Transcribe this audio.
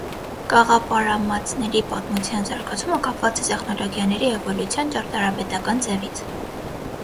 Կաղապարամածների պատմության զարգացումը կապված է տեխնոլոգիաների էվոլյուցիոն ճարտարապետական ձևից։